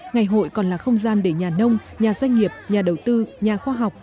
ngày hội còn là không gian để nhà nông nhà doanh nghiệp nhà đầu tư nhà khoa học